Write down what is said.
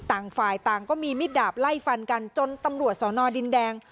ต่างฝ่ายต่างก็มีมิดดาบไล่ฟันกันจนตำรวจสอนอดินแดง